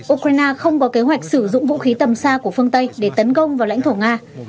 ukraine không có kế hoạch sử dụng vũ khí tầm xa của phương tây để tấn công vào lãnh thổ nga